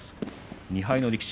２敗の力士